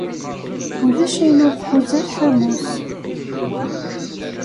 Ulac ayen ur tḥuza lḥamu-s.